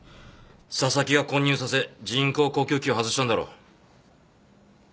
紗崎が混入させ人工呼吸器を外したんだろう。